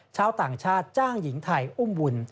ชาวต่างชาติจ้างหญิงไทยอุ้มบุญ